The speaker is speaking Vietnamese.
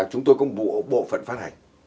chúng tôi có một bộ phận phát hành